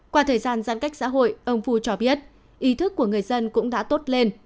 qua thời gian giãn cách xã hội ông phu cho biết ý thức của người dân cũng đã tốt lên